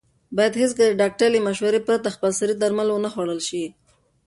باید هېڅکله د ډاکټر له مشورې پرته خپلسري درمل ونه خوړل شي.